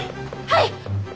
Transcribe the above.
はい！